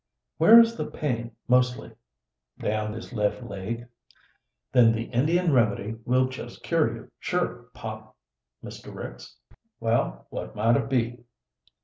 "Where is the pain mostly?" "Down this left leg." "Then the Indian remedy will just cure you, sure pop, Mr. Ricks." "Well, what might it be?"